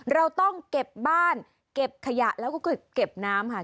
เราต้องเก็บบ้านเก็บขยะแล้วก็เก็บน้ำค่ะ